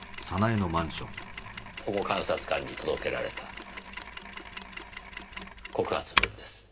保護観察官に届けられた告発文です。